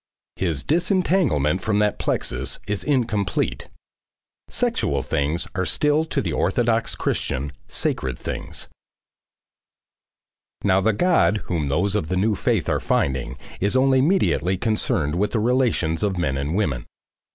His disentanglement from that plexus is incomplete. Sexual things are still to the orthodox Christian, sacred things. Now the God whom those of the new faith are finding is only mediately concerned with the relations of men and women.